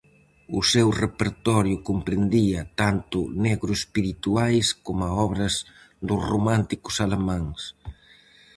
O seu repertorio comprendía tanto negro-espirituais coma obras dos románticos alemáns.